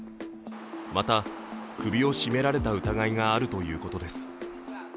また、首を絞められた疑いがあるということです。